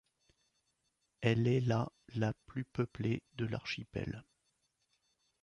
Elle est la la plus peuplée de l'archipel.